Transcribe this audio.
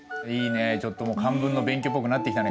ちょっともう漢文の勉強っぽくなってきたね